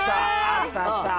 あったあった！